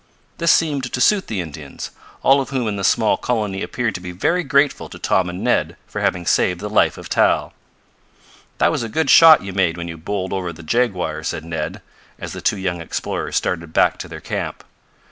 This seemed to suit the Indians, all of whom in the small colony appeared to be very grateful to Tom and Ned for having saved the life of Tal. "That was a good shot you made when you bowled over the jaguar," said Ned, as the two young explorers started back to their camp.